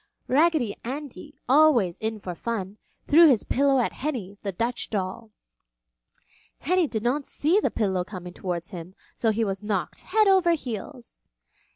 Raggedy Andy, always in for fun, threw his pillow at Henny, the Dutch doll. Henny did not see the pillow coming towards him so he was knocked head over heels.